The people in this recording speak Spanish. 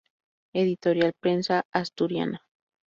Editorial Prensa Asturiana.